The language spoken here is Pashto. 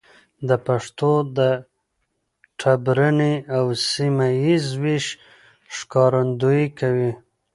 د پښتو د ټبرني او سيمه ييز ويش ښکارندويي کوي.